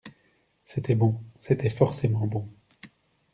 C’était bon. C’était forcément bon.